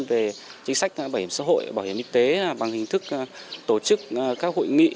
về chính sách bảo hiểm xã hội bảo hiểm y tế bằng hình thức tổ chức các hội nghị